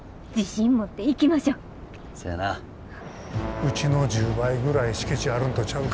うちの１０倍ぐらい敷地あるんとちゃうか？